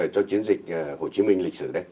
cho chiến dịch hồ chí minh lịch sử đấy